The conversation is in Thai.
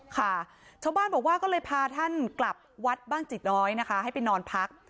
ค่ะชาวบ้านบอกว่าก็เลยพาท่านกลับวัดบ้างจิตน้อยนะคะให้ไปนอนพัก